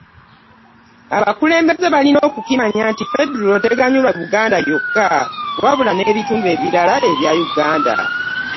Abakulembeze balina okukimanya nti ffedero teganyula Buganda yokka wabula n'ebitundu ebirala ebya Uganda